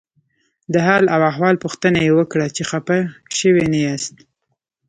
د حال او احوال پوښتنه یې وکړه چې خپه شوي نه یاست.